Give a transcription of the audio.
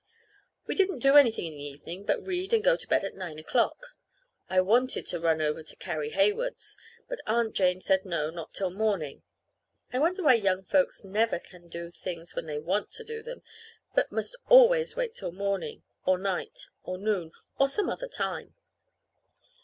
We didn't do anything in the evening but read and go to bed at nine o'clock. I wanted to run over to Carrie Heywood's; but Aunt Jane said no, not till morning. (I wonder why young folks never can do things when they want to do them, but must always wait till morning or night or noon, or some other time!)